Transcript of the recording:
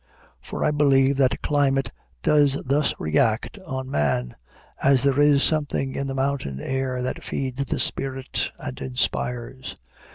For I believe that climate does thus react on man, as there is something in the mountain air that feeds the spirit and inspires.